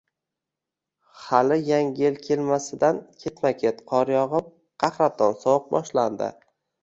Hali yangi yil kelmasidan ketma-ket qor yog‘ib qahraton sovuq boshlandi.